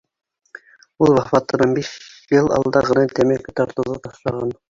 Ул вафатынан биш йыл алда ғына тәмәке тартыуҙы ташлаған.